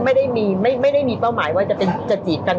ไม่ได้มีเป้าหมายว่าจะจีบกัน